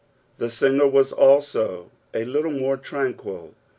The singer was also a little mure tranquil.